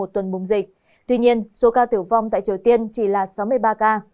tuy nhiên số ca tử vong tại triều tiên chỉ là sáu mươi ba ca